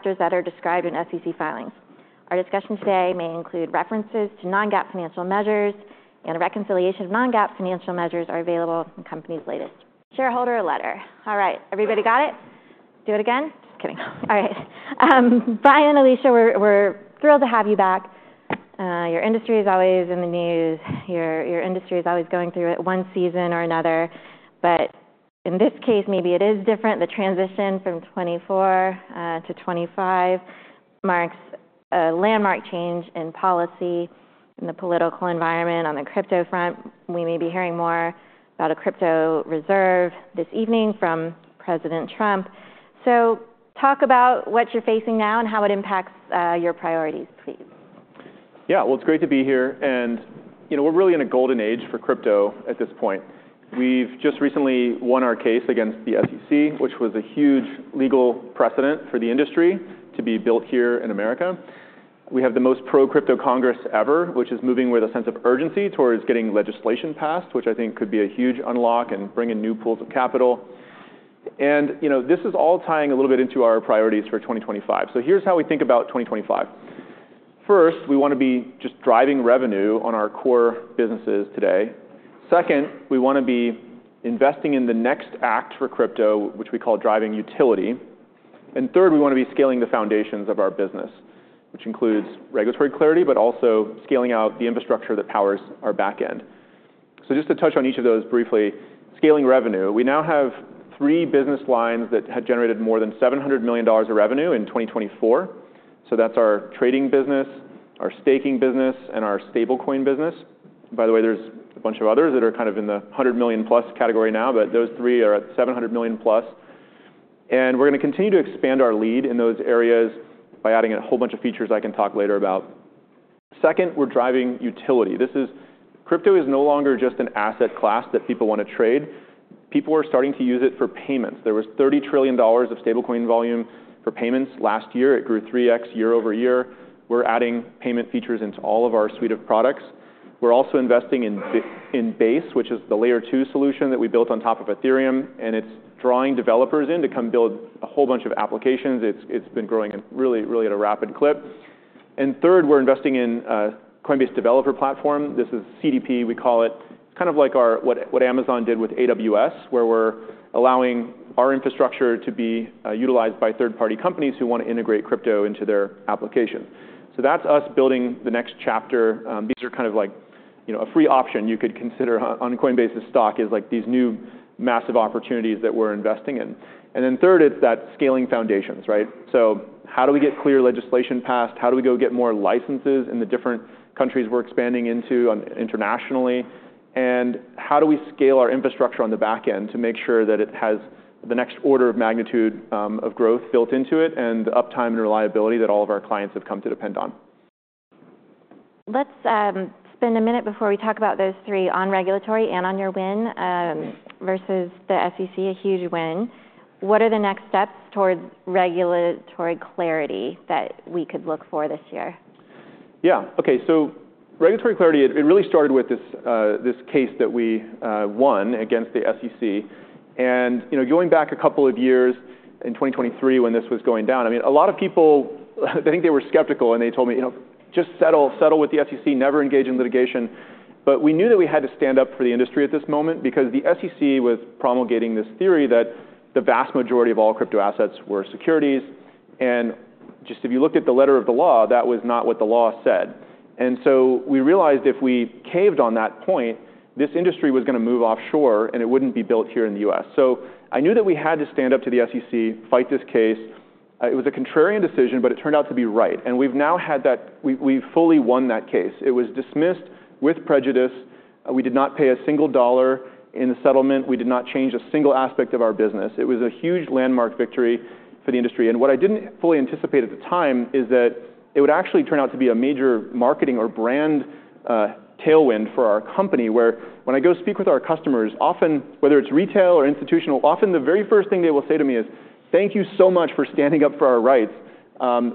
Factors that are described in SEC filings. Our discussion today may include references to non-GAAP financial measures, and a reconciliation of non-GAAP financial measures are available in the company's latest shareholder letter. All right, everybody got it? Do it again? Just kidding. All right. Brian and Alesia, we're thrilled to have you back. Your industry is always in the news. Your industry is always going through it one season or another, but in this case, maybe it is different. The transition from 2024 to 2025 marks a landmark change in policy in the political environment. On the crypto front, we may be hearing more about a crypto reserve this evening from President Trump, so talk about what you're facing now and how it impacts your priorities, please. Yeah, well, it's great to be here. And we're really in a golden age for crypto at this point. We've just recently won our case against the SEC, which was a huge legal precedent for the industry to be built here in America. We have the most pro-crypto Congress ever, which is moving with a sense of urgency towards getting legislation passed, which I think could be a huge unlock and bring in new pools of capital. And this is all tying a little bit into our priorities for 2025. So here's how we think about 2025. First, we want to be just driving revenue on our core businesses today. Second, we want to be investing in the next act for crypto, which we call driving utility. And third, we want to be scaling the foundations of our business, which includes regulatory clarity, but also scaling out the infrastructure that powers our back end. So just to touch on each of those briefly, scaling revenue, we now have three business lines that had generated more than $700 million of revenue in 2024. So that's our trading business, our staking business, and our stablecoin business. By the way, there's a bunch of others that are kind of in the $100 million plus category now, but those three are at $700 million plus. And we're going to continue to expand our lead in those areas by adding a whole bunch of features I can talk later about. Second, we're driving utility. This, crypto is no longer just an asset class that people want to trade. People are starting to use it for payments. There was $30 trillion of stablecoin volume for payments last year. It grew 3x year-over-year. We're adding payment features into all of our suite of products. We're also investing in Base, which is the Layer 2 solution that we built on top of Ethereum, and it's drawing developers in to come build a whole bunch of applications. It's been growing really, really at a rapid clip, and third, we're investing in Coinbase Developer Platform. This is CDP, we call it. It's kind of like what Amazon did with AWS, where we're allowing our infrastructure to be utilized by third-party companies who want to integrate crypto into their applications. So that's us building the next chapter. These are kind of like a free option you could consider on Coinbase's stock, like these new massive opportunities that we're investing in, and then third, it's that scaling foundations, right? How do we get clear legislation passed? How do we go get more licenses in the different countries we're expanding into internationally? And how do we scale our infrastructure on the back end to make sure that it has the next order of magnitude of growth built into it and the uptime and reliability that all of our clients have come to depend on? Let's spend a minute before we talk about those three: on regulatory and on your win versus the SEC, a huge win. What are the next steps towards regulatory clarity that we could look for this year? Yeah, okay. So regulatory clarity, it really started with this case that we won against the SEC, and going back a couple of years in 2023, when this was going down, I mean, a lot of people, I think they were skeptical, and they told me, just settle with the SEC, never engage in litigation, but we knew that we had to stand up for the industry at this moment because the SEC was promulgating this theory that the vast majority of all crypto assets were securities, and just if you looked at the letter of the law, that was not what the law said, and so we realized if we caved on that point, this industry was going to move offshore and it wouldn't be built here in the U.S., so I knew that we had to stand up to the SEC, fight this case. It was a contrarian decision, but it turned out to be right, and we've now fully won that case. It was dismissed with prejudice. We did not pay a single dollar in the settlement. We did not change a single aspect of our business. It was a huge landmark victory for the industry, and what I didn't fully anticipate at the time is that it would actually turn out to be a major marketing or brand tailwind for our company, where when I go speak with our customers, often, whether it's retail or institutional, often the very first thing they will say to me is, thank you so much for standing up for our rights.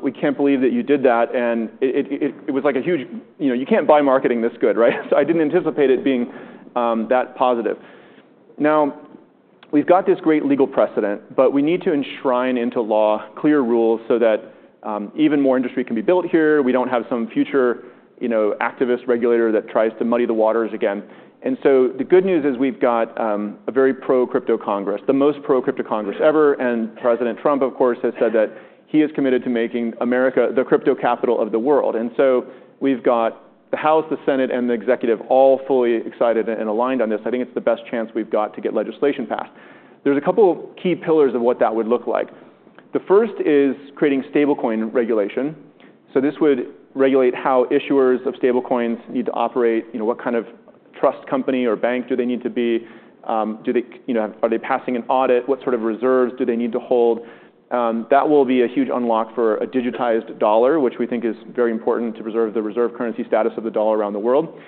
We can't believe that you did that, and it was like a huge, you can't buy marketing this good, right? So I didn't anticipate it being that positive. Now, we've got this great legal precedent, but we need to enshrine into law clear rules so that even more industry can be built here. We don't have some future activist regulator that tries to muddy the waters again. And so the good news is we've got a very pro-crypto Congress, the most pro-crypto Congress ever. And President Trump, of course, has said that he is committed to making America the crypto capital of the world. And so we've got the House, the Senate, and the executive all fully excited and aligned on this. I think it's the best chance we've got to get legislation passed. There's a couple of key pillars of what that would look like. The first is creating stablecoin regulation. So this would regulate how issuers of stablecoins need to operate. What kind of trust company or bank do they need to be? Are they passing an audit? What sort of reserves do they need to hold? That will be a huge unlock for a digitized dollar, which we think is very important to preserve the reserve currency status of the dollar around the world.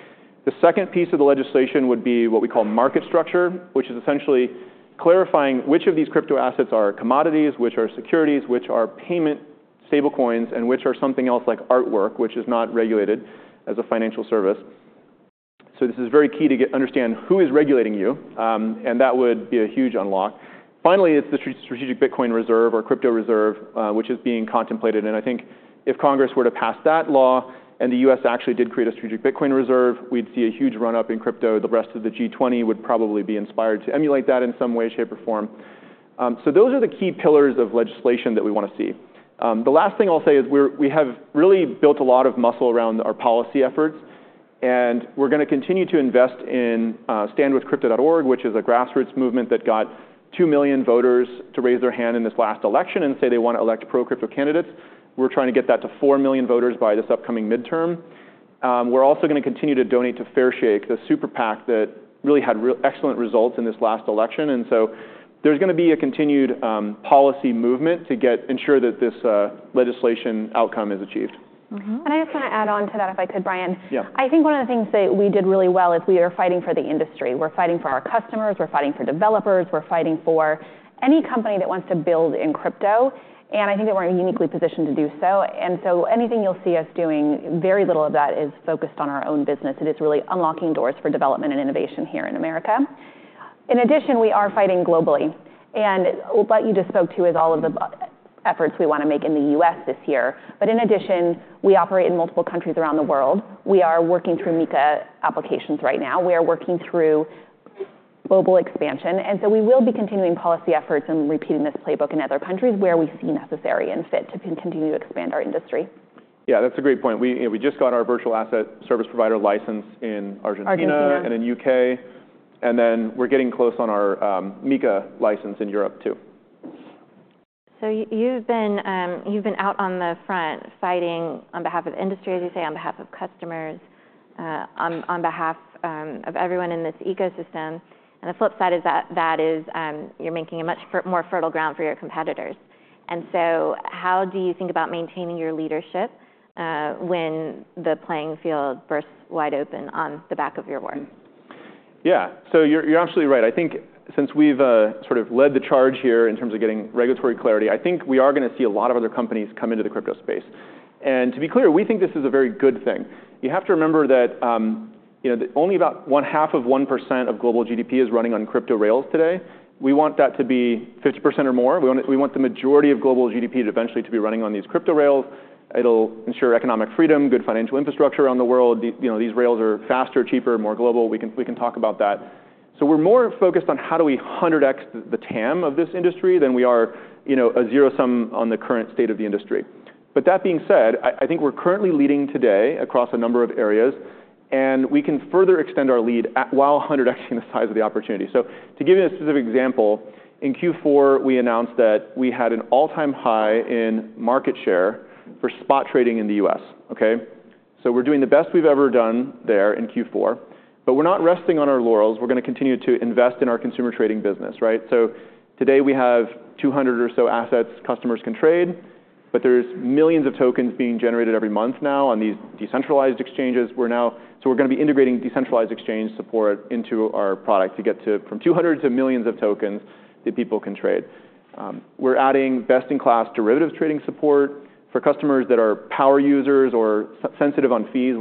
The second piece of the legislation would be what we call market structure, which is essentially clarifying which of these crypto assets are commodities, which are securities, which are payment stablecoins, and which are something else like artwork, which is not regulated as a financial service. So this is very key to understand who is regulating you. And that would be a huge unlock. Finally, it's the strategic Bitcoin reserve or crypto reserve, which is being contemplated. And I think if Congress were to pass that law and the U.S. actually did create a strategic Bitcoin reserve, we'd see a huge run-up in crypto. The rest of the G20 would probably be inspired to emulate that in some way, shape, or form. So those are the key pillars of legislation that we want to see. The last thing I'll say is we have really built a lot of muscle around our policy efforts. And we're going to continue to invest in standwithcrypto.org, which is a grassroots movement that got 2 million voters to raise their hand in this last election and say they want to elect pro-crypto candidates. We're trying to get that to 4 million voters by this upcoming midterm. We're also going to continue to donate to Fairshake, the super PAC that really had excellent results in this last election. And so there's going to be a continued policy movement to ensure that this legislation outcome is achieved. I just want to add on to that, if I could, Brian. I think one of the things that we did really well is we are fighting for the industry. We're fighting for our customers. We're fighting for developers. We're fighting for any company that wants to build in crypto. And I think that we're uniquely positioned to do so. And so anything you'll see us doing, very little of that is focused on our own business. It is really unlocking doors for development and innovation here in America. In addition, we are fighting globally. And what you just spoke to is all of the efforts we want to make in the U.S. this year. But in addition, we operate in multiple countries around the world. We are working through MiCA applications right now. We are working through global expansion. We will be continuing policy efforts and repeating this playbook in other countries where we see necessary and fit to continue to expand our industry. Yeah, that's a great point. We just got our virtual asset service provider license in Argentina and in the U.K., and then we're getting close on our MiCA license in Europe, too. So you've been out on the front fighting on behalf of industry, as you say, on behalf of customers, on behalf of everyone in this ecosystem. And the flip side is that you're making a much more fertile ground for your competitors. And so how do you think about maintaining your leadership when the playing field bursts wide open on the back of your war? Yeah, so you're absolutely right. I think since we've sort of led the charge here in terms of getting regulatory clarity, I think we are going to see a lot of other companies come into the crypto space. And to be clear, we think this is a very good thing. You have to remember that only about 0.5% of global GDP is running on crypto rails today. We want that to be 50% or more. We want the majority of global GDP to eventually be running on these crypto rails. It'll ensure economic freedom, good financial infrastructure around the world. These rails are faster, cheaper, more global. We can talk about that. So we're more focused on how do we 100x the TAM of this industry than we are a zero sum on the current state of the industry. But that being said, I think we're currently leading today across a number of areas. And we can further extend our lead while 100xing the size of the opportunity. So to give you a specific example, in Q4, we announced that we had an all-time high in market share for spot trading in the U.S. So we're doing the best we've ever done there in Q4. But we're not resting on our laurels. We're going to continue to invest in our consumer trading business. So today, we have 200 or so assets customers can trade. But there's millions of tokens being generated every month now on these decentralized exchanges. So we're going to be integrating decentralized exchange support into our product to get from 200 to millions of tokens that people can trade. We're adding best-in-class derivatives trading support for customers that are power users or sensitive on fees.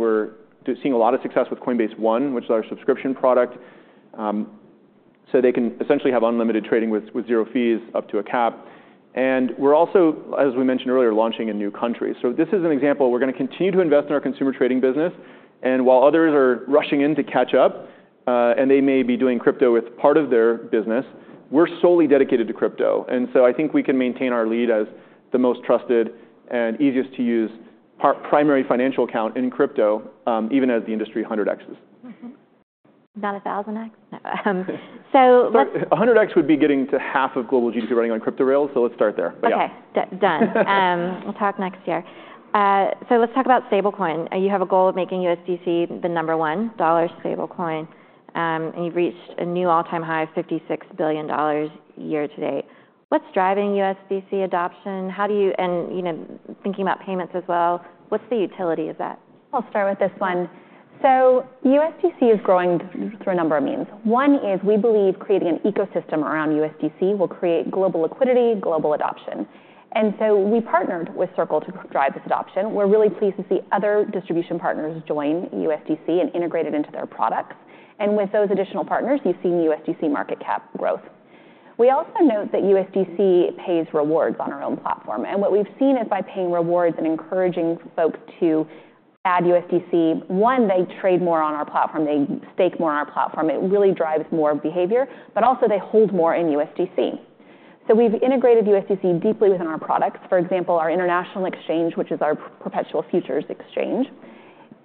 We're seeing a lot of success with Coinbase One, which is our subscription product. So they can essentially have unlimited trading with zero fees up to a cap. And we're also, as we mentioned earlier, launching in new countries. So this is an example. We're going to continue to invest in our consumer trading business. And while others are rushing in to catch up, and they may be doing crypto with part of their business, we're solely dedicated to crypto. And so I think we can maintain our lead as the most trusted and easiest to use primary financial account in crypto, even as the industry 100xes. Not 1000x? 100x would be getting to half of global GDP running on crypto rails. So let's start there. OK, done. We'll talk next year. So let's talk about stablecoin. You have a goal of making USDC the number one dollar stablecoin. And you've reached a new all-time high of $56 billion year to date. What's driving USDC adoption? And thinking about payments as well, what's the utility of that? I'll start with this one. So USDC is growing through a number of means. One is we believe creating an ecosystem around USDC will create global liquidity, global adoption. And so we partnered with Circle to drive this adoption. We're really pleased to see other distribution partners join USDC and integrate it into their products. And with those additional partners, you've seen USDC market cap growth. We also note that USDC pays rewards on our own platform. And what we've seen is by paying rewards and encouraging folks to add USDC, one, they trade more on our platform. They stake more on our platform. It really drives more behavior. But also, they hold more in USDC. So we've integrated USDC deeply within our products. For example, our international exchange, which is our perpetual futures exchange,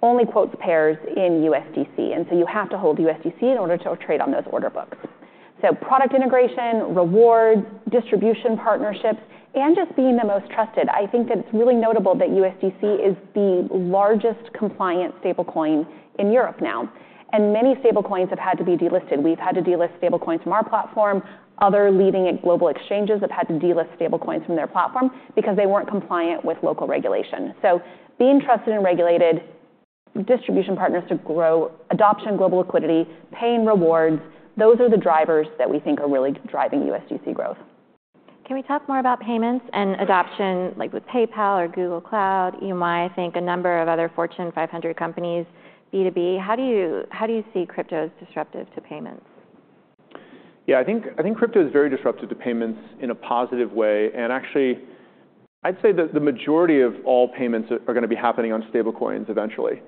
only quotes pairs in USDC. And so you have to hold USDC in order to trade on those order books. So product integration, rewards, distribution partnerships, and just being the most trusted. I think that it's really notable that USDC is the largest compliant stablecoin in Europe now. And many stablecoins have had to be delisted. We've had to delist stablecoins from our platform. Other leading global exchanges have had to delist stablecoins from their platform because they weren't compliant with local regulation. So being trusted and regulated, distribution partners to grow, adoption, global liquidity, paying rewards, those are the drivers that we think are really driving USDC growth. Can we talk more about payments and adoption, like with PayPal or Google Cloud, EMI, I think, a number of other Fortune 500 companies, B2B? How do you see crypto as disruptive to payments? Yeah, I think crypto is very disruptive to payments in a positive way, and actually, I'd say that the majority of all payments are going to be happening on stablecoins eventually,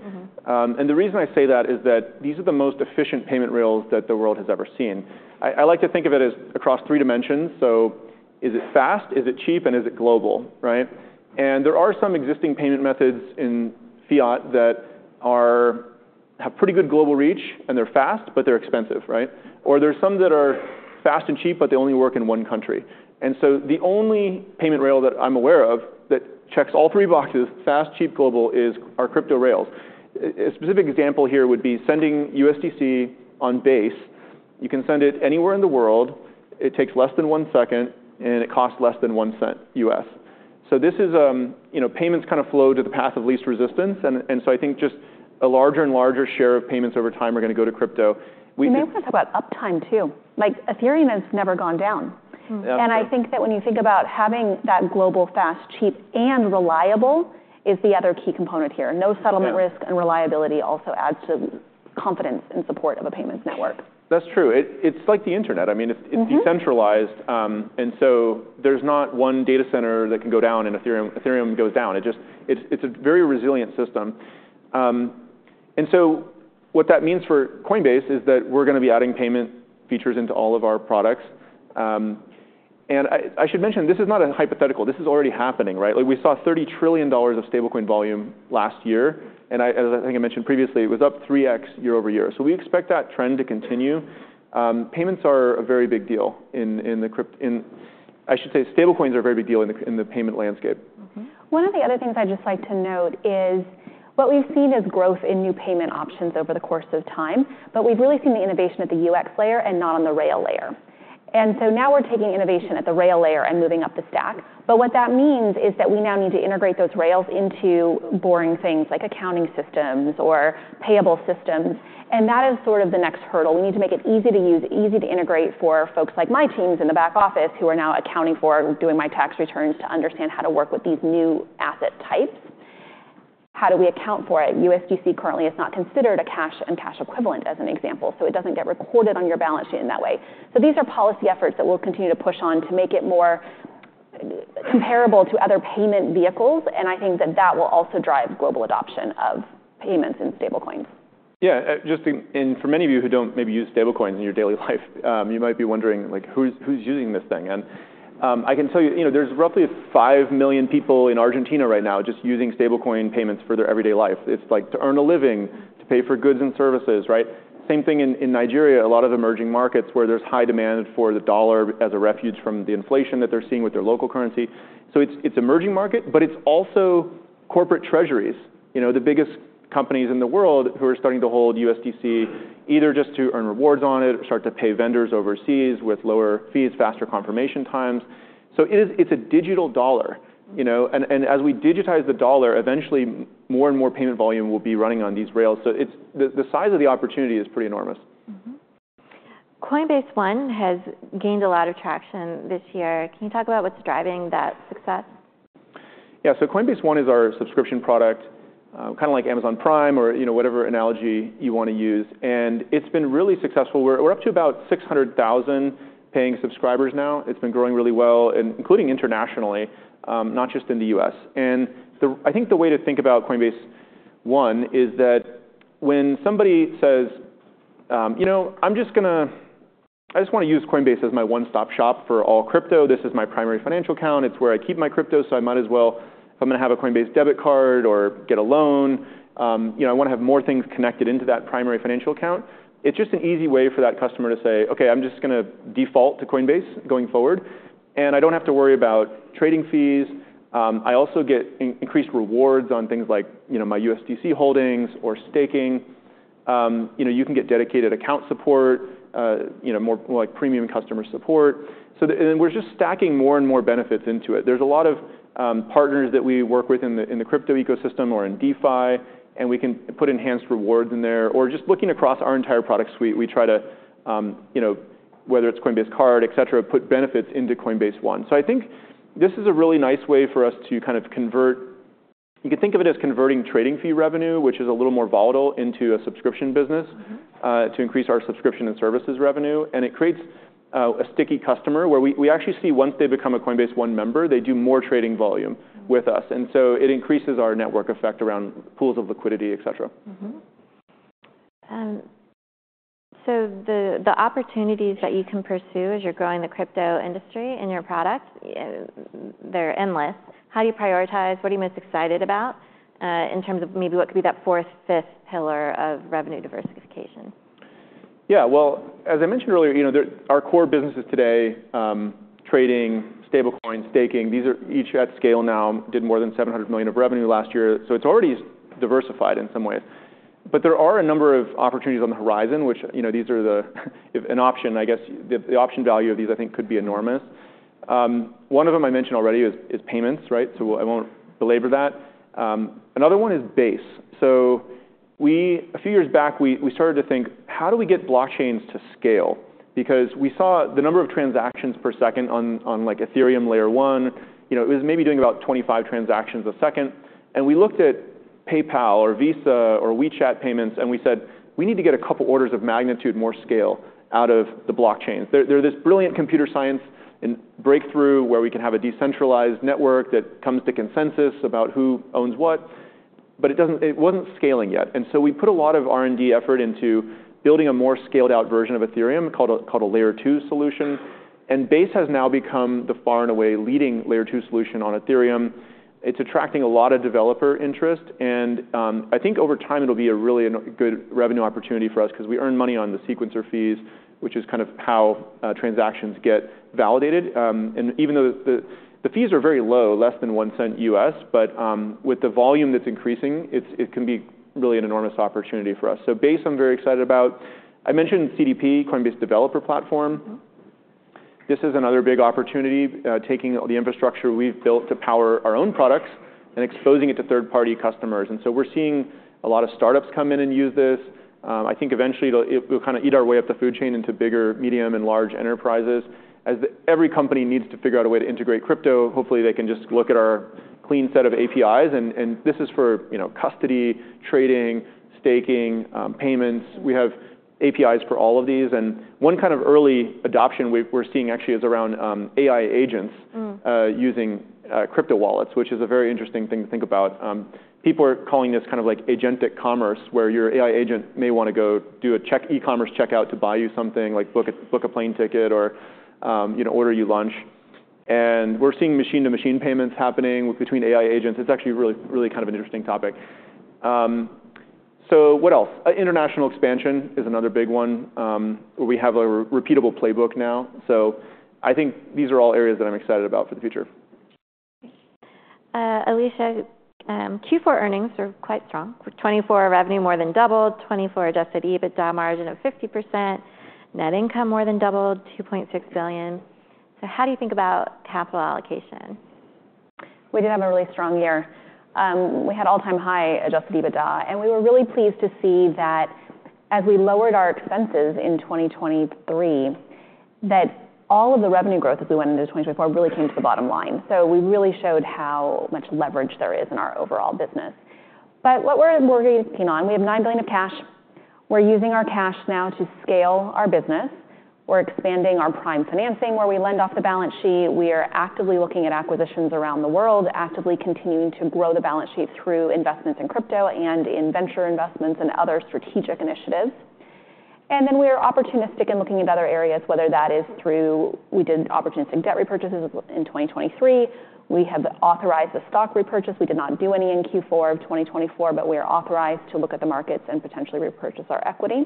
and the reason I say that is that these are the most efficient payment rails that the world has ever seen. I like to think of it as across three dimensions, so is it fast? Is it cheap? And is it global? There are some existing payment methods in fiat that have pretty good global reach, and they're fast, but they're expensive, or there are some that are fast and cheap, but they only work in one country, and so the only payment rail that I'm aware of that checks all three boxes, fast, cheap, global, is our crypto rails. A specific example here would be sending USDC on Base. You can send it anywhere in the world. It takes less than one second, and it costs less than $0.01. Payments kind of flow to the path of least resistance. I think just a larger and larger share of payments over time are going to go to crypto. Maybe we can talk about uptime, too. Ethereum has never gone down. I think that when you think about having that global, fast, cheap, and reliable is the other key component here. No settlement risk and reliability also adds to confidence and support of a payments network. That's true. It's like the internet. I mean, it's decentralized. There is not one data center that can go down if Ethereum goes down. It's a very resilient system. What that means for Coinbase is that we're going to be adding payment features into all of our products. I should mention, this is not a hypothetical. This is already happening. We saw $30 trillion of stablecoin volume last year. As I think I mentioned previously, it was up 3x year over year. We expect that trend to continue. Payments are a very big deal in the crypto. I should say stablecoins are a very big deal in the payment landscape. One of the other things I'd just like to note is what we've seen is growth in new payment options over the course of time. We've really seen the innovation at the UX layer and not on the rail layer. Now we're taking innovation at the rail layer and moving up the stack. What that means is that we now need to integrate those rails into boring things like accounting systems or payable systems. That is sort of the next hurdle. We need to make it easy to use, easy to integrate for folks like my teams in the back office who are now accounting for doing my tax returns to understand how to work with these new asset types. How do we account for it? USDC currently is not considered a cash and cash equivalent, as an example. It doesn't get recorded on your balance sheet in that way. These are policy efforts that we'll continue to push on to make it more comparable to other payment vehicles. I think that will also drive global adoption of payments in stablecoins. Yeah, just for many of you who don't maybe use stablecoins in your daily life, you might be wondering who's using this thing. I can tell you there's roughly 5 million people in Argentina right now just using stablecoin payments for their everyday life. It's like to earn a living, to pay for goods and services. Same thing in Nigeria, a lot of emerging markets where there's high demand for the dollar as a refuge from the inflation that they're seeing with their local currency. It's an emerging market, but it's also corporate treasuries, the biggest companies in the world who are starting to hold USDC either just to earn rewards on it or start to pay vendors overseas with lower fees, faster confirmation times. It's a digital dollar. As we digitize the dollar, eventually, more and more payment volume will be running on these rails. The size of the opportunity is pretty enormous. Coinbase One has gained a lot of traction this year. Can you talk about what's driving that success? Yeah, Coinbase One is our subscription product, kind of like Amazon Prime or whatever analogy you want to use. It's been really successful. We're up to about 600,000 paying subscribers now. It's been growing really well, including internationally, not just in the U.S. I think the way to think about Coinbase One is that when somebody says, you know, I just want to use Coinbase as my one-stop shop for all crypto. This is my primary financial account. It's where I keep my crypto. I might as well, if I'm going to have a Coinbase debit card or get a loan, I want to have more things connected into that primary financial account. It's just an easy way for that customer to say, okay, I'm just going to default to Coinbase going forward. I don't have to worry about trading fees. I also get increased rewards on things like my USDC holdings or staking. You can get dedicated account support, more premium customer support. We're just stacking more and more benefits into it. There are a lot of partners that we work with in the crypto ecosystem or in DeFi. We can put enhanced rewards in there. Just looking across our entire product suite, we try to, whether it's Coinbase Card, et cetera, put benefits into Coinbase One. I think this is a really nice way for us to kind of convert. You can think of it as converting trading fee revenue, which is a little more volatile, into a subscription business to increase our subscription and services revenue. It creates a sticky customer where we actually see once they become a Coinbase One member, they do more trading volume with us. It increases our network effect around pools of liquidity, et cetera. The opportunities that you can pursue as you're growing the crypto industry and your products, they're endless. How do you prioritize? What are you most excited about in terms of maybe what could be that fourth, fifth pillar of revenue diversification? Yeah, as I mentioned earlier, our core businesses today, trading, stablecoin, staking, these are each at scale now, did more than $700 million of revenue last year. So it's already diversified in some ways. There are a number of opportunities on the horizon, which these are an option. I guess the option value of these, I think, could be enormous. One of them I mentioned already is payments. I won't belabor that. Another one is Base. A few years back, we started to think, how do we get blockchains to scale? Because we saw the number of transactions per second on Ethereum Layer 1. It was maybe doing about 25 transactions a second. We looked at PayPal or Visa or WeChat payments. We said, we need to get a couple orders of magnitude more scale out of the blockchains. There are this brilliant computer science breakthrough where we can have a decentralized network that comes to consensus about who owns what. It wasn't scaling yet. We put a lot of R&D effort into building a more scaled-out version of Ethereum called a Layer 2 solution. Base has now become the far and away leading Layer 2 solution on Ethereum. It's attracting a lot of developer interest. I think over time, it'll be a really good revenue opportunity for us because we earn money on the sequencer fees, which is kind of how transactions get validated. Even though the fees are very low, less than $0.01, with the volume that's increasing, it can be really an enormous opportunity for us. Base I'm very excited about. I mentioned CDP, Coinbase Developer Platform. This is another big opportunity, taking the infrastructure we've built to power our own products and exposing it to third-party customers. We're seeing a lot of startups come in and use this. I think eventually, it will kind of eat our way up the food chain into bigger, medium, and large enterprises. As every company needs to figure out a way to integrate crypto, hopefully, they can just look at our clean set of APIs. This is for custody, trading, staking, payments. We have APIs for all of these. One kind of early adoption we're seeing actually is around AI agents using crypto wallets, which is a very interesting thing to think about. People are calling this kind of like agentic commerce where your AI agent may want to go do a e-commerce checkout to buy you something, like book a plane ticket or order you lunch. We're seeing machine-to-machine payments happening between AI agents. It's actually really kind of an interesting topic. What else? International expansion is another big one. We have a repeatable playbook now. I think these are all areas that I'm excited about for the future. Alesia, Q4 earnings are quite strong. 2024 revenue more than doubled, 2024 adjusted EBITDA margin of 50%, net income more than doubled, $2.6 billion. How do you think about capital allocation? We did have a really strong year. We had all-time high adjusted EBITDA. We were really pleased to see that as we lowered our expenses in 2023, all of the revenue growth as we went into 2024 really came to the bottom line. We really showed how much leverage there is in our overall business. What we are working on, we have $9 billion of cash. We are using our cash now to scale our business. We are expanding our prime financing where we lend off the balance sheet. We are actively looking at acquisitions around the world, actively continuing to grow the balance sheet through investments in crypto and in venture investments and other strategic initiatives. We are opportunistic in looking at other areas, whether that is through we did opportunistic debt repurchases in 2023. We have authorized the stock repurchase. We did not do any in Q4 of 2024, but we are authorized to look at the markets and potentially repurchase our equity.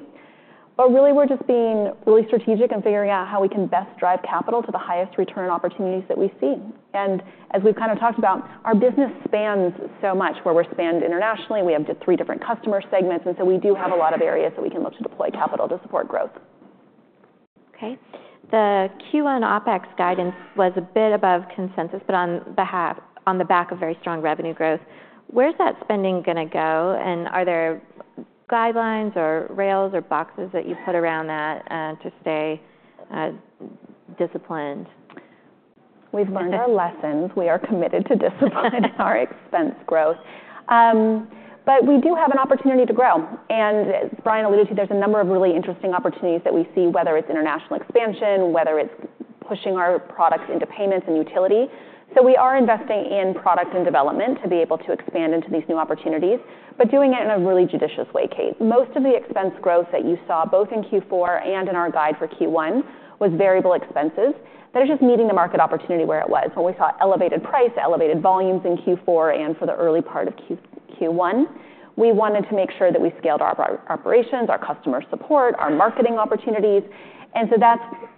Really, we're just being really strategic in figuring out how we can best drive capital to the highest return opportunities that we see. As we've kind of talked about, our business spans so much where we're spanned internationally. We have three different customer segments. We do have a lot of areas that we can look to deploy capital to support growth. OK. The Q1 OpEx guidance was a bit above consensus, but on the back of very strong revenue growth. Where's that spending going to go? Are there guidelines or rails or boxes that you put around that to stay disciplined? We've learned our lessons. We are committed to discipline in our expense growth. We do have an opportunity to grow. As Brian alluded to, there's a number of really interesting opportunities that we see, whether it's international expansion, whether it's pushing our products into payments and utility. We are investing in product and development to be able to expand into these new opportunities, but doing it in a really judicious way, Kate. Most of the expense growth that you saw both in Q4 and in our guide for Q1 was variable expenses. That is just meeting the market opportunity where it was. When we saw elevated price, elevated volumes in Q4 and for the early part of Q1, we wanted to make sure that we scaled our operations, our customer support, our marketing opportunities. That is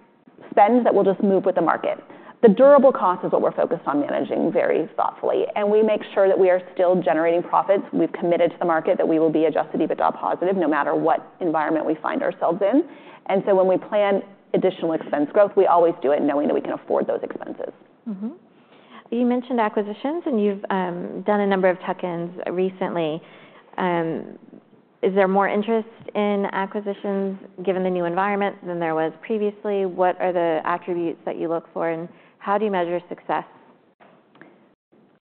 spend that will just move with the market. The durable cost is what we're focused on managing very thoughtfully. We make sure that we are still generating profits. We've committed to the market that we will be adjusted EBITDA positive no matter what environment we find ourselves in. When we plan additional expense growth, we always do it knowing that we can afford those expenses. You mentioned acquisitions, and you've done a number of tuck-ins recently. Is there more interest in acquisitions given the new environment than there was previously? What are the attributes that you look for, and how do you measure success?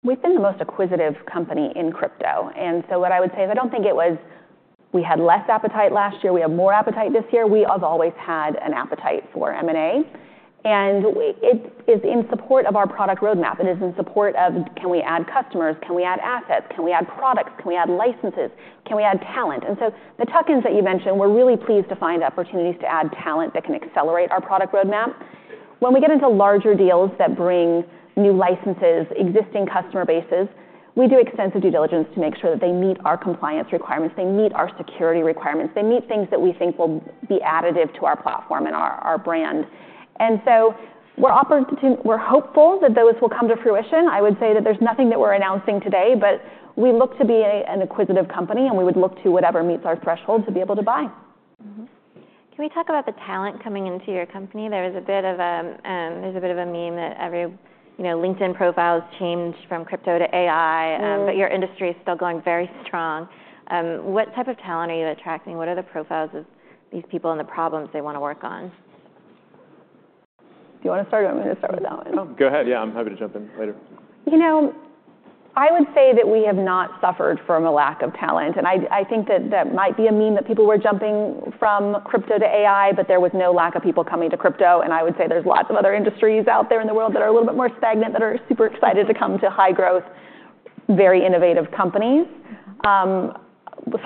We've been the most acquisitive company in crypto. What I would say is I do not think it was we had less appetite last year. We have more appetite this year. We have always had an appetite for M&A. It is in support of our product roadmap. It is in support of can we add customers? Can we add assets? Can we add products? Can we add licenses? Can we add talent? The tuck-ins that you mentioned, we are really pleased to find opportunities to add talent that can accelerate our product roadmap. When we get into larger deals that bring new licenses, existing customer bases, we do extensive due diligence to make sure that they meet our compliance requirements, they meet our security requirements, they meet things that we think will be additive to our platform and our brand. We are hopeful that those will come to fruition. I would say that there's nothing that we're announcing today, but we look to be an acquisitive company, and we would look to whatever meets our threshold to be able to buy. Can we talk about the talent coming into your company? There's a bit of a meme that LinkedIn profiles changed from crypto to AI, but your industry is still going very strong. What type of talent are you attracting? What are the profiles of these people and the problems they want to work on? Do you want to start? I'm going to start with that one. Oh. Go ahead. Yeah, I'm happy to jump in later. You know, I would say that we have not suffered from a lack of talent. I think that that might be a meme that people were jumping from crypto to AI, but there was no lack of people coming to crypto. I would say there's lots of other industries out there in the world that are a little bit more stagnant, that are super excited to come to high-growth, very innovative companies.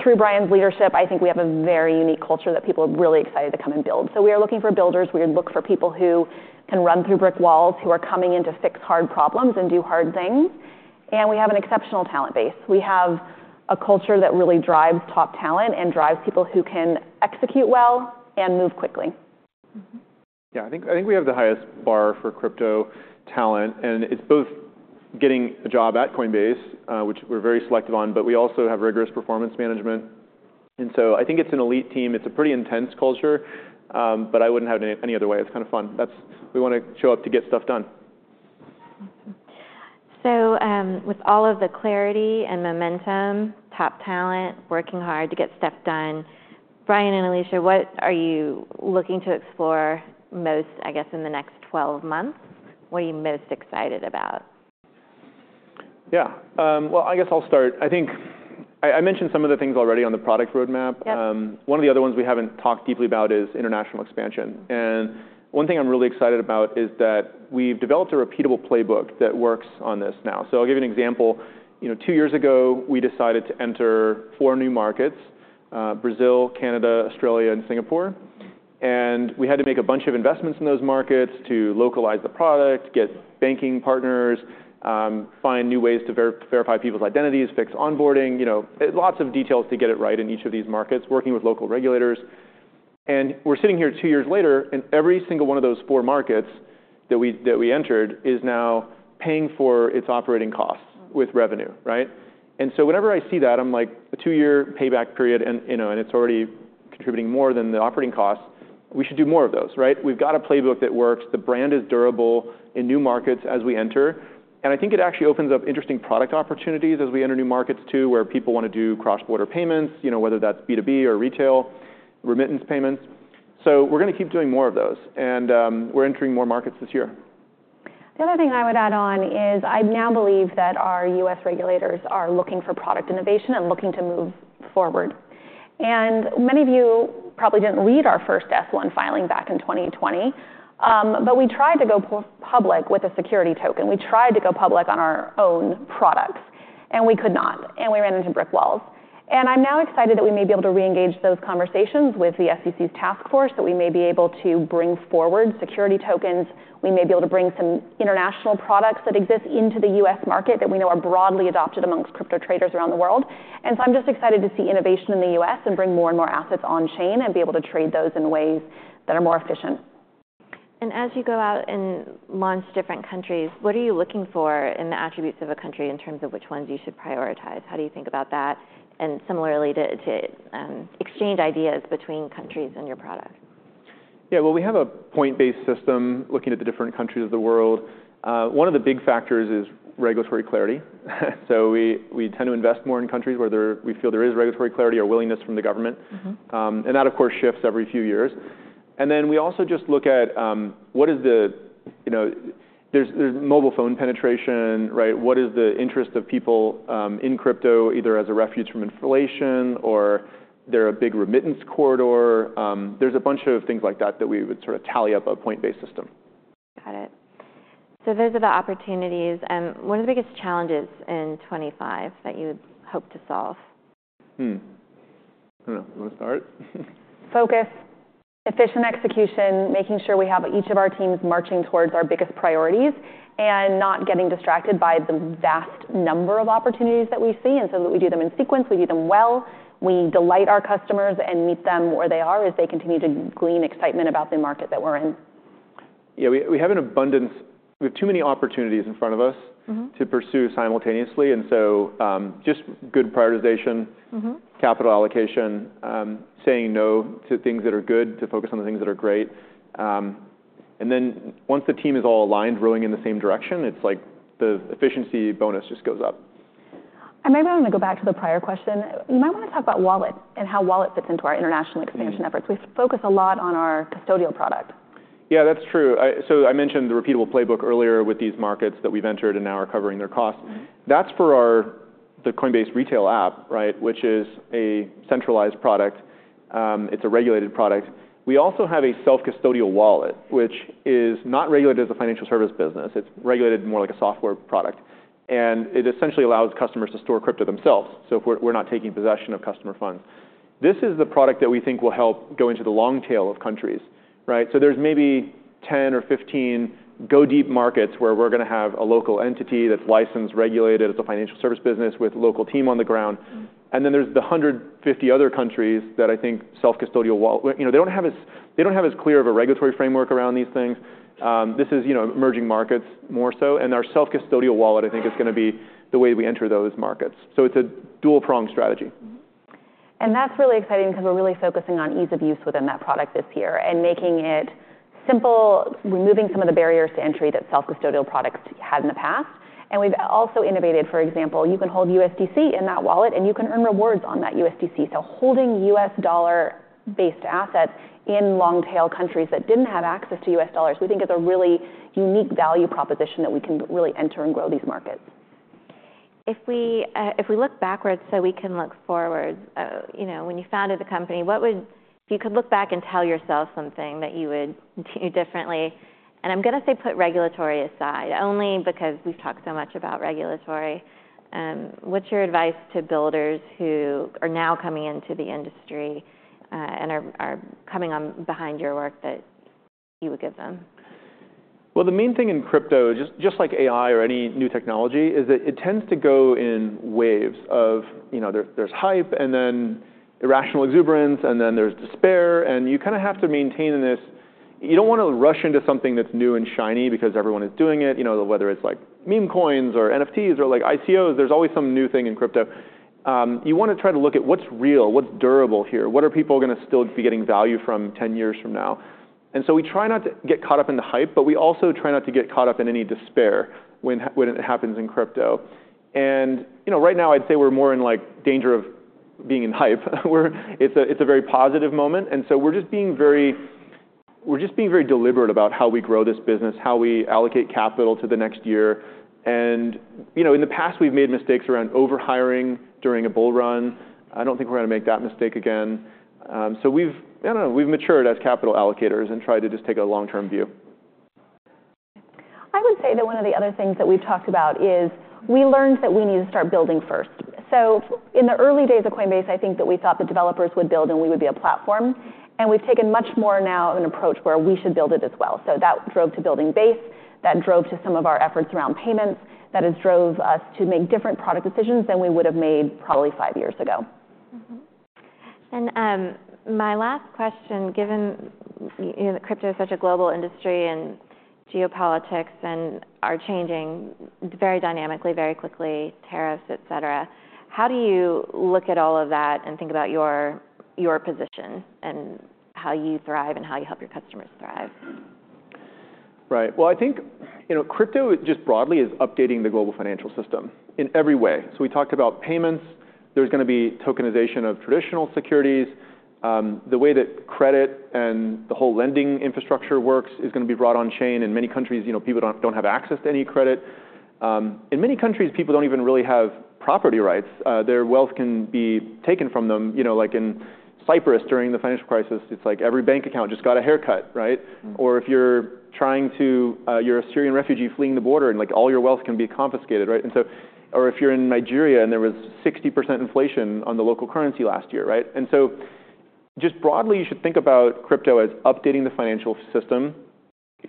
Through Brian's leadership, I think we have a very unique culture that people are really excited to come and build. We are looking for builders. We look for people who can run through brick walls, who are coming in to fix hard problems and do hard things. We have an exceptional talent base. We have a culture that really drives top talent and drives people who can execute well and move quickly. Yeah, I think we have the highest bar for crypto talent. It's both getting a job at Coinbase, which we're very selective on, but we also have rigorous performance management. I think it's an elite team. It's a pretty intense culture, but I wouldn't have it any other way. It's kind of fun. We want to show up to get stuff done. With all of the clarity and momentum, top talent working hard to get stuff done, Brian and Alesia, what are you looking to explore most, I guess, in the next 12 months? What are you most excited about? Yeah, I guess I'll start. I think I mentioned some of the things already on the product roadmap. One of the other ones we haven't talked deeply about is international expansion. One thing I'm really excited about is that we've developed a repeatable playbook that works on this now. I'll give you an example. Two years ago, we decided to enter four new markets: Brazil, Canada, Australia, and Singapore. We had to make a bunch of investments in those markets to localize the product, get banking partners, find new ways to verify people's identities, fix onboarding, lots of details to get it right in each of these markets, working with local regulators. We are sitting here two years later, and every single one of those four markets that we entered is now paying for its operating costs with revenue. Whenever I see that, I am like, a two-year payback period, and it is already contributing more than the operating costs. We should do more of those. We have got a playbook that works. The brand is durable in new markets as we enter. I think it actually opens up interesting product opportunities as we enter new markets too where people want to do cross-border payments, whether that is B2B or retail, remittance payments. We're going to keep doing more of those. We're entering more markets this year. The other thing I would add on is I now believe that our U.S. regulators are looking for product innovation and looking to move forward. Many of you probably didn't read our first S-1 filing back in 2020, but we tried to go public with a security token. We tried to go public on our own products, and we could not. We ran into brick walls. I'm now excited that we may be able to re-engage those conversations with the SEC's task force, that we may be able to bring forward security tokens. We may be able to bring some international products that exist into the U.S. market that we know are broadly adopted amongst crypto traders around the world. I'm just excited to see innovation in the US and bring more and more assets on-chain and be able to trade those in ways that are more efficient. As you go out and launch different countries, what are you looking for in the attributes of a country in terms of which ones you should prioritize? How do you think about that? Similarly, to exchange ideas between countries and your product? Yeah, we have a point-based system looking at the different countries of the world. One of the big factors is regulatory clarity. We tend to invest more in countries where we feel there is regulatory clarity or willingness from the government. That, of course, shifts every few years. We also just look at what is the mobile phone penetration. What is the interest of people in crypto, either as a refuge from inflation or they're a big remittance corridor? There's a bunch of things like that that we would sort of tally up a point-based system. Got it. Those are the opportunities. What are the biggest challenges in 2025 that you hope to solve? I don't know. You want to start? Focus, efficient execution, making sure we have each of our teams marching towards our biggest priorities and not getting distracted by the vast number of opportunities that we see. We do them in sequence, we do them well. We delight our customers and meet them where they are as they continue to glean excitement about the market that we're in. We have an abundance. We have too many opportunities in front of us to pursue simultaneously. Just good prioritization, capital allocation, saying no to things that are good to focus on the things that are great. Once the team is all aligned, rowing in the same direction, it's like the efficiency bonus just goes up. Maybe I want to go back to the prior question. You might want to talk about wallet and how wallet fits into our international expansion efforts. We focus a lot on our custodial product. Yeah, that's true. I mentioned the repeatable playbook earlier with these markets that we've entered and now are covering their costs. That's for the Coinbase retail app, which is a centralized product. It's a regulated product. We also have a self-custodial wallet, which is not regulated as a financial service business. It's regulated more like a software product. It essentially allows customers to store crypto themselves. We're not taking possession of customer funds. This is the product that we think will help go into the long tail of countries. There's maybe 10 or 15 go-deep markets where we're going to have a local entity that's licensed, regulated as a financial service business with a local team on the ground. Then there's the 150 other countries that I think self-custodial wallet, they don't have as clear of a regulatory framework around these things. This is emerging markets more so. Our self-custodial wallet, I think, is going to be the way we enter those markets. It's a dual-pronged strategy. That's really exciting because we're really focusing on ease of use within that product this year and making it simple, removing some of the barriers to entry that self-custodial products had in the past. We've also innovated, for example, you can hold USDC in that wallet, and you can earn rewards on that USDC. Holding US dollar-based assets in long-tail countries that didn't have access to US dollars, we think is a really unique value proposition that we can really enter and grow these markets. If we look backwards so we can look forward, when you founded the company, if you could look back and tell yourself something that you would do differently, and I'm going to say put regulatory aside only because we've talked so much about regulatory, what's your advice to builders who are now coming into the industry and are coming behind your work that you would give them? The main thing in crypto, just like AI or any new technology, is that it tends to go in waves of there's hype and then irrational exuberance, and then there's despair. You kind of have to maintain this. You don't want to rush into something that's new and shiny because everyone is doing it, whether it's like meme coins or NFTs or like ICOs. There's always some new thing in crypto. You want to try to look at what's real, what's durable here. What are people going to still be getting value from 10 years from now? We try not to get caught up in the hype, but we also try not to get caught up in any despair when it happens in crypto. Right now, I'd say we're more in danger of being in hype. It's a very positive moment. We're just being very deliberate about how we grow this business, how we allocate capital to the next year. In the past, we've made mistakes around overhiring during a bull run. I don't think we're going to make that mistake again. I don't know. We've matured as capital allocators and tried to just take a long-term view. I would say that one of the other things that we've talked about is we learned that we need to start building first. In the early days of Coinbase, I think that we thought the developers would build and we would be a platform. We've taken much more now of an approach where we should build it as well. That drove to building Base. That drove to some of our efforts around payments. That has drove us to make different product decisions than we would have made probably five years ago. My last question, given crypto is such a global industry and geopolitics are changing very dynamically, very quickly, tariffs, et cetera, how do you look at all of that and think about your position and how you thrive and how you help your customers thrive? Right. I think crypto just broadly is updating the global financial system in every way. We talked about payments. There is going to be tokenization of traditional securities. The way that credit and the whole lending infrastructure works is going to be brought on-chain. In many countries, people do not have access to any credit. In many countries, people do not even really have property rights. Their wealth can be taken from them. Like in Cyprus during the financial crisis, it's like every bank account just got a haircut. Or if you're trying to, you're a Syrian refugee fleeing the border and all your wealth can be confiscated. Or if you're in Nigeria and there was 60% inflation on the local currency last year. Just broadly, you should think about crypto as updating the financial system,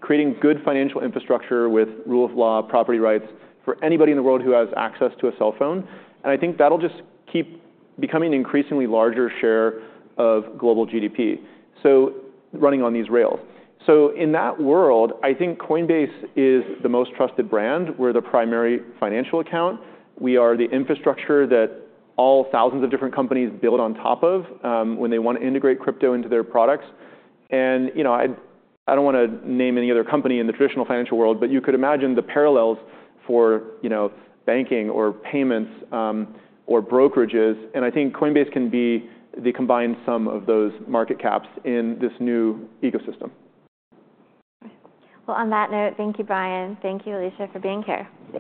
creating good financial infrastructure with rule of law, property rights for anybody in the world who has access to a cell phone. I think that'll just keep becoming an increasingly larger share of global GDP, running on these rails. In that world, I think Coinbase is the most trusted brand. We're the primary financial account. We are the infrastructure that all thousands of different companies build on top of when they want to integrate crypto into their products. I don't want to name any other company in the traditional financial world, but you could imagine the parallels for banking or payments or brokerages. I think Coinbase can be the combined sum of those market caps in this new ecosystem. On that note, thank you, Brian. Thank you, Alesia, for being here.